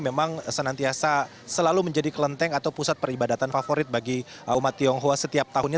memang senantiasa selalu menjadi kelenteng atau pusat peribadatan favorit bagi umat tionghoa setiap tahunnya